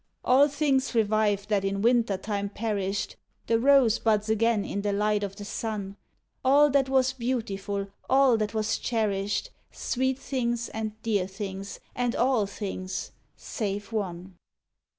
All things revive that in Winter time perished, The rose buds again in the light o' the sun, All that was beautiful, all that was cherished, Sweet things and dear things and all things save one.